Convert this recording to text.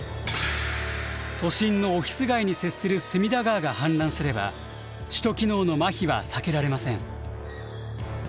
都心のオフィス街に接する隅田川が氾濫すれば首都機能のまひは避けられません。